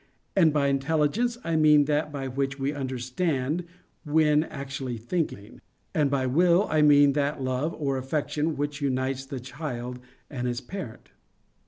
And by intelligence I mean that by which we understand when actually thinking; and by will I mean that love or affection which unites the child and its parent."